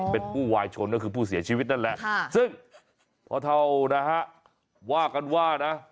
เป็นผู้วายชนก็คือผู้เสียชีวิตนั่นแหละซึ่งพอเท่านะฮะว่ากันว่านะ